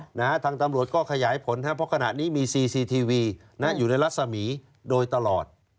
นะฮะทางตำรวจก็ขยายผลครับเพราะขณะนี้มีซีซีทีวีอยู่ในรัศมีร์โดยตลอด